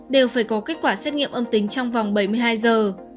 đều phải có kết quả xét nghiệm âm tính trong vòng bảy mươi hai giờ